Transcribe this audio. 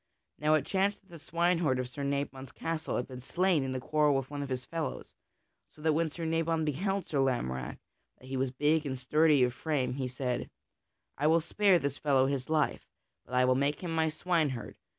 Now it chanced that the swineherd of Sir Nabon's castle had been slain in a quarrel with one of his fellows, so that when Sir Nabon beheld Sir Lamorack, that he was big and sturdy of frame, he said: "I will spare this fellow his life, but I will make him my swineherd.